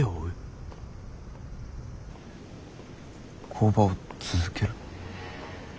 工場を続ける？